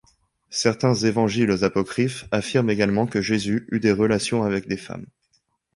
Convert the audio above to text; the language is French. Certains évangiles apocryphes affirment également que Jésus eut des relations avec des femmes.